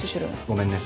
「ごめんね」